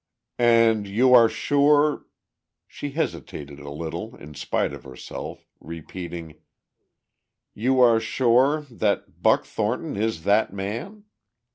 "And you are sure," she hesitated a little in spite of herself, repeating, "you are sure ... that Buck Thornton is that man?"